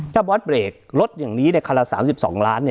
ถ้าบอสเบรกลดอย่างนี้คันละ๓๒ล้าน